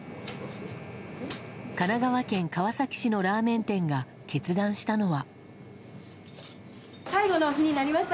神奈川県川崎市のラーメン店が決断したのは。